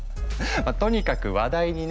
とにかく話題にね